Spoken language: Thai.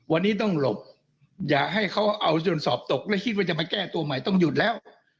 วันนี้ต้องหลบอย่าให้เขาเอาจนสอบตกและคิดว่าจะมาแก้ตัวใหม่ต้องหยุดแล้ว